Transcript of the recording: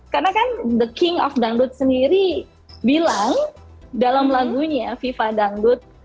karena kan the king of dangdut sendiri bilang dalam lagunya viva dangdut